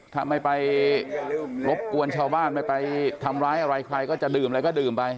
ถ้าไม่ไปรบกวนชาวบ้านไม่ไปทำร้ายอะไรใครก็จะดื่มอะไรก็ดื่มไป